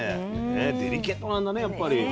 デリケートなんだねやっぱり。